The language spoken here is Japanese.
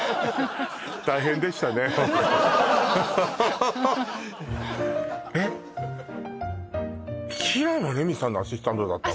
ホントえっ平野レミさんのアシスタントだったの？